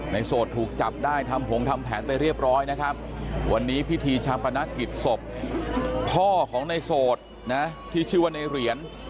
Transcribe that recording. โสดถูกจับได้ทำผงทำแผนไปเรียบร้อยนะครับวันนี้พิธีชาปนกิจศพพ่อของในโสดนะที่ชื่อว่าในเหรียญ